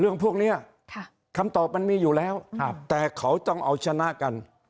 เรื่องพวกนี้คำตอบมันมีอยู่แล้วแต่เขาต้องเอาชนะกัน